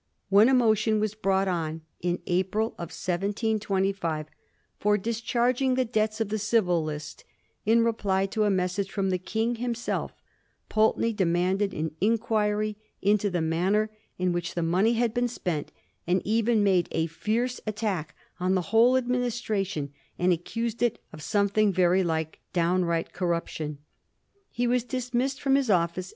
When a motion was brought on in April 1725 for discharging the debts of the Civil List, in reply to a message from the King himself, Pulteney demanded an inquiry into the manner in which the money had been spent, and even made a fierce attack on the whole administra tion, and accused it of something very like downright corruption. He was dismissed from his office